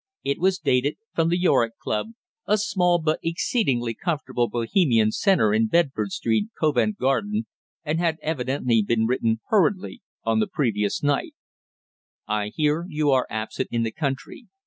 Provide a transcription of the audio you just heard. It was dated from the Yorick Club, a small but exceedingly comfortable Bohemian centre in Bedford Street, Covent Garden, and had evidently been written hurriedly on the previous night: _"I hear you are absent in the country.